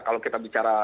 kalau kita bicara